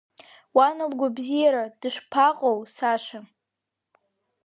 Уан лгәабзиара дышԥаҟоу, Саша?